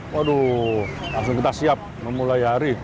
waduh langsung kita siap memulai hari